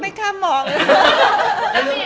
ไม่ข้ามมองเลยค่ะ